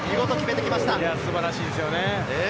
素晴らしいですよね。